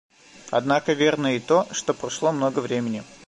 Однако верно и то, что прошло много времени.